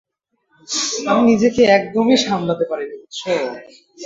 আমি নিজেকে একদমই সামলাতে পারিনি!